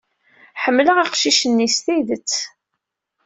Ḥemmleɣ aqcic-nni s tidet.